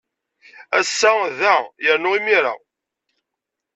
Ass-a, da yernu imir-a.